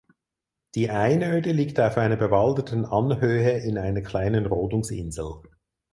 Die Einöde liegt auf einer bewaldeten Anhöhe in einer kleinen Rodungsinsel.